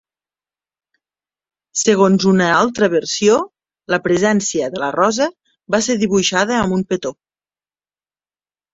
Segons una altra versió la presència de la rosa va ser dibuixada amb un petó.